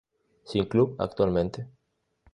Sin club actualmente.